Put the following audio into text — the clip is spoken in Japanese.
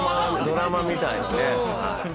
ドラマみたいなねはい。